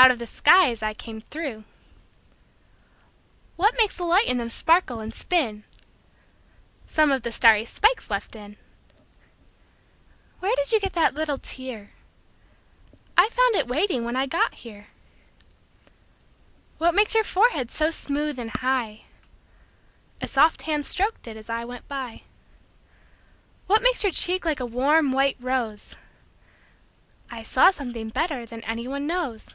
Out of the sky as I came through. What makes the light in them sparkle and spin? Some of the starry spikes left in. Where did you get that little tear?I found it waiting when I got here. What makes your forehead so smooth and high?A soft hand strok'd it as I went by. What makes your cheek like a warm white rose?I saw something better than any one knows.